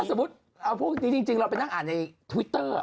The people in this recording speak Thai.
สมมุติพวกเราเป็นนักอ่านในทวิตเตอร์